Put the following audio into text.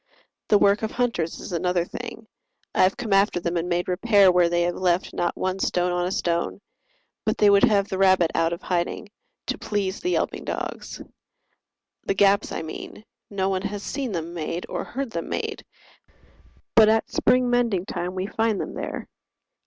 The work of hunters is another thing: I have come after them and made repair Where they have left not one stone on a stone, But they would have the rabbit out of hiding, To please the yelping dogs. The gaps I mean, No one has seen them made or heard them made, But at spring mending time we find them there.